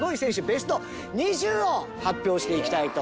ベスト２０を発表していきたいと思います。